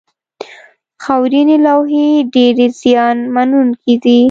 خاورینې لوحې ډېرې زیان منونکې دي.